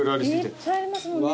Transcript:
いっぱいありますもんね